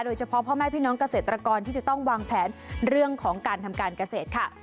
พ่อแม่พี่น้องเกษตรกรที่จะต้องวางแผนเรื่องของการทำการเกษตรค่ะ